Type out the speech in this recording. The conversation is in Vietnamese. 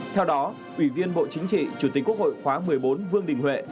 theo đó ủy viên bộ chính trị chủ tịch quốc hội khóa một mươi bốn vương đình huệ